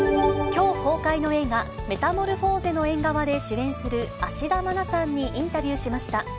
きょう公開の映画、メタモルフォーゼの縁側で、主演する芦田愛菜さんにインタビューしました。